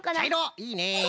いいね。